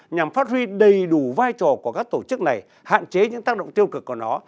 nhằm phát huy đầy đủ vai trò của các tổ chức này hạn chế những tác động tiêu cực của nó